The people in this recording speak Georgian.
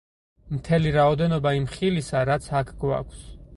მთელი რაოდენობა იმ ხილისა რაც აქ გვაქვს.